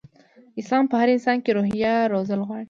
اسلام په هر انسان کې روحيه روزل غواړي.